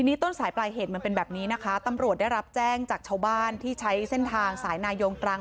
นี่ต้นสายปลายเหตุมันเป็นแบบนี้นะคะตำรวจได้รับแจ้งจากชาวบ้านที่ใช้เส้นทางสายนายงตรัง